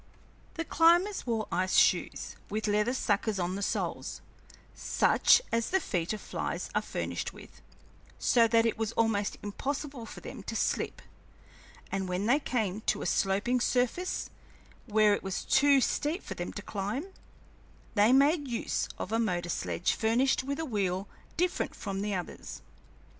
The climbers wore ice shoes with leather suckers on the soles, such as the feet of flies are furnished with, so that it was almost impossible for them to slip; and when they came to a sloping surface, where it was too steep for them to climb, they made use of a motor sledge furnished with a wheel different from the others.